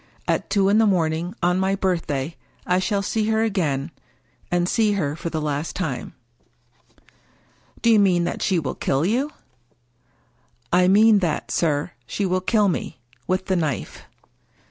At two in the morning on my birthday I shall see her again, and see her for the last time." " Do you mean that she will kill you ?"" I mean that, sir, she will kill me — with the knife."